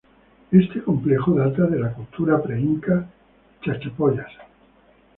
Este complejo data de la cultura pre-inca Chachapoyas.